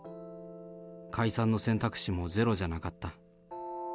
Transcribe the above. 解散の選択肢もゼロじゃなかった。